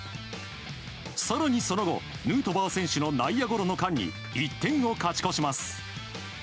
更にその後、ヌートバー選手の内野ゴロの間に１点を勝ち越します。